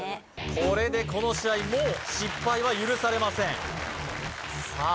これでこの試合もう失敗は許されませんさあ